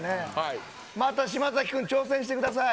また嶋崎君挑戦してください。